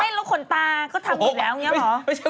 แล้วขนตาก็ทำอยู่แล้วเนี่ยเหรอ